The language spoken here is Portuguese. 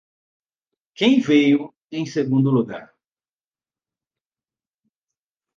Quem veio em segundo lugar?